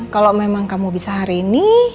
kalau memang kamu bisa hari ini